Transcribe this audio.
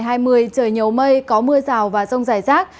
trời nhiều mây có mưa rào và rông rải rác